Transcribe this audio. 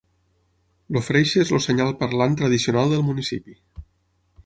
El freixe és el senyal parlant tradicional del municipi.